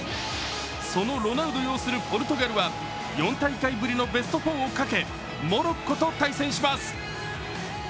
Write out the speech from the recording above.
そのロナウド擁するポルトガルは４大会ぶりのベスト４をかけモロッコと対戦します。